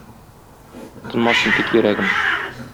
Тынмасын тик йөрәгем.